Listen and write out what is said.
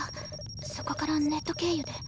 そこからネット経由で。